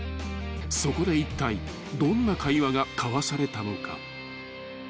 ［そこでいったいどんな会話が交わされたのか］